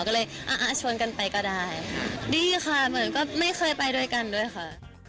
ก็เลยอ่ะชวนกันไปก็ได้ค่ะดีค่ะเหมือนก็ไม่เคยไปด้วยกันด้วยค่ะ